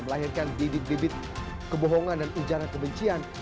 melahirkan bibit bibit kebohongan dan ujaran kebencian